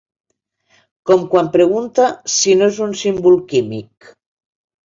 Com quan pregunta si "No" és un símbol químic.